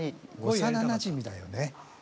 幼なじみだよね。